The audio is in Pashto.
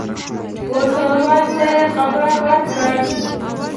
اوسلوال ته یې خبر ورکړ.